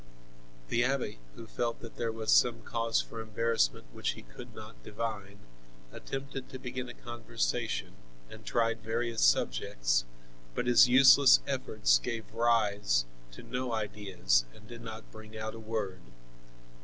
The abbe, who felt that there was some cause for embarrassment which he could not divine, attempted to begin a conversation and tried various subjects, but his useless efforts gave rise to no ideas and did not bring out a word.